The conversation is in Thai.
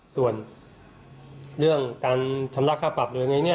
ส่วนเรื่องการชำระค่าปรับหรืออะไรเนี่ย